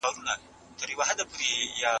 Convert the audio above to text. په ټولنه کي به یو رغنده رول ترسره کوئ.